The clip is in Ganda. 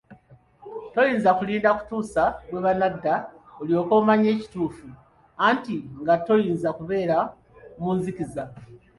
Toyinza kulinda kutuusa lwe banadda olyoke omanye ekituufu anti nga toyinza kubeera mu nzikiza.